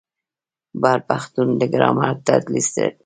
بر پښتون د ګرامر تدریس لري.